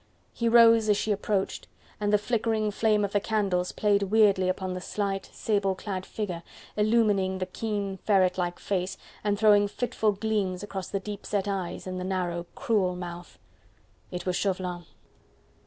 He rose as she approached, and the flickering flame of the candles played weirdly upon the slight, sable clad figure, illumining the keen, ferret like face, and throwing fitful gleams across the deep set eyes and the narrow, cruel mouth. It was Chauvelin.